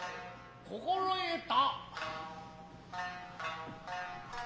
心得た。